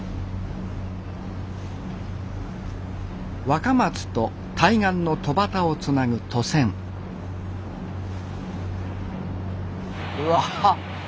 若松と対岸の戸畑をつなぐ渡船わはっ！